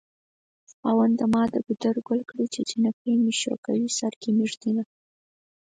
خاونده ما د ګودر ګل کړې چې جنکۍ مې شوکوي سر کې مې ږدينه